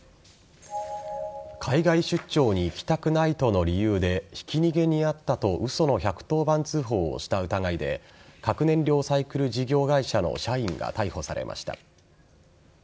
海外出張に行きたくないとの理由でひき逃げに遭ったと嘘の１１０番通報をした疑いで核燃料サイクル事業会社の社員が逮捕されました。